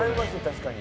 確かに。